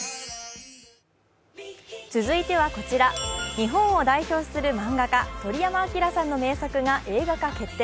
日本を代表する漫画家・鳥山明さんの名作が映画化決定。